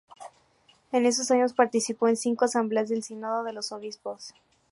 En esos años participó en cinco asambleas del Sínodo de los Obispos.